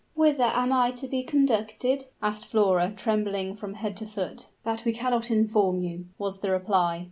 "Whither am I to be conducted?" asked Flora, trembling from head to foot. "That we cannot inform you," was the reply.